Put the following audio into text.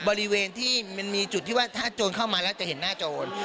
บริเวณที่มันมีจุดที่ว่าถ้าโจรเข้ามาแล้วจะเห็นหน้าโจร